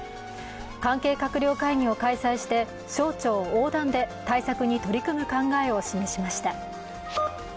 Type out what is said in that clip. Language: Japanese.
関係閣僚会議を開催して、省庁横断で対策に取り組む考えを示しました。